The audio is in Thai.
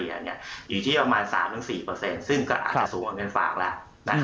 อยู่ที่ประมาณ๓๔เปอร์เซ็นต์ซึ่งก็อาจจะสูงเงินฝากแล้ว